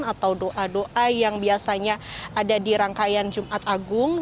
atau doa doa yang biasanya ada di rangkaian jumat agung